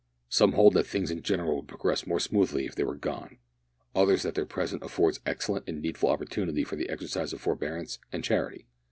Some hold that things in general would progress more smoothly if they were gone; others that their presence affords excellent and needful opportunity for the exercise of forbearance and charity.